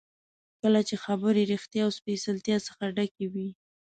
کله چې خبرې ریښتیا او سپېڅلتیا څخه ډکې وي.